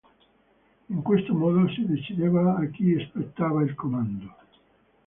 In questo modo si decideva a chi spettava il comando.